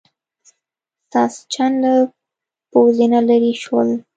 ساسچن له پوزې نه لرې شول.